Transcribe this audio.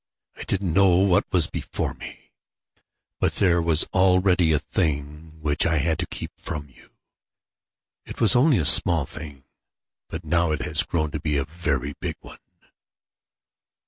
I didn't know what was before me; but there was already a thing which I had to keep from you. It was only a small thing. But now it has grown to be a very big one.